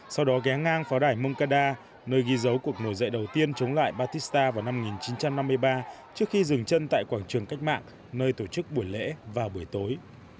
sau đó ghé ngang pháo đài moncada nơi ghi dấu cuộc nổi dậy đầu tiên chống lại batista vào năm một nghìn chín trăm năm mươi ba trước khi dừng chân tại quảng trường cách mạng nơi tổ chức buổi lễ vào buổi tối